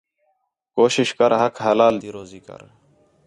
کوشش کر حق حلال تی روزی کر